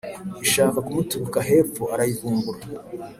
ishaka kumuturuka hepfo arayivumbura.